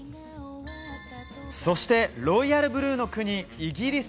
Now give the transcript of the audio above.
そして、ロイヤルブルーの国イギリス。